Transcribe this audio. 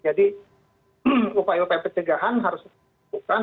jadi upaya upaya pencegahan harus diperlukan